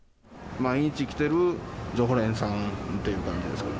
毎日来てる常連さんという感じですかね。